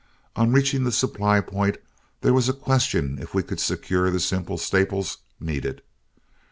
On reaching the supply point, there was a question if we could secure the simple staples needed.